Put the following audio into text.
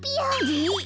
えっ！